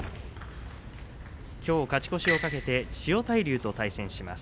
きょう勝ち越しを懸けて千代大龍と対戦します。